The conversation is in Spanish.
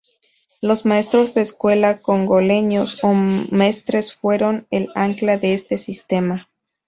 Los maestros de escuela congoleños o mestres fueron el ancla de este sistema.